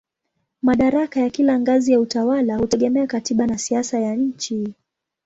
Madaraka ya kila ngazi ya utawala hutegemea katiba na siasa ya nchi.